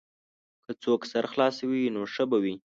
که څوک سر خلاصوي نو ښه به وي.